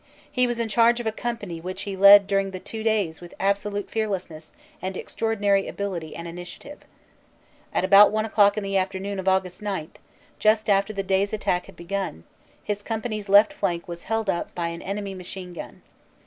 "He was in charge of a company which he led during SIDELIGHTS OF BATTLE 83 the two days with absolute fearlessness and extraordinary ability and initiative. At about one o clock in the afternoon of Aug. 9, just after the day s attack had begun, his company s left flank was held up by an enemy machine gun.